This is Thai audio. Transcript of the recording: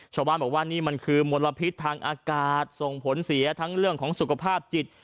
ชาวบ้านบอกว่านี่มันคือมลพิษทางอากาศส่งผลเสียทั้งเรื่องของสุขภาพจิต